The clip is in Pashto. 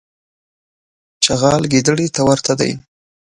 چغال ګیدړي ته ورته دی.